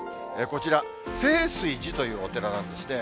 こちら、清水寺というお寺なんですね。